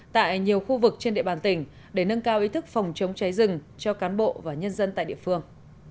tại nhiều khu vực trên địa bàn tỉnh để nâng cao ý thức phòng chống cháy rừng cho cán bộ và nhân dân tại địa phương